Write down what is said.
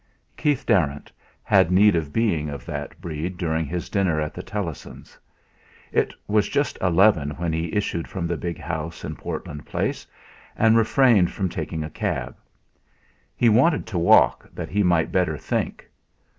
Keith Darrant had need for being of that breed during his dinner at the Tellassons. It was just eleven when he issued from the big house in Portland Place and refrained from taking a cab. He wanted to walk that he might better think.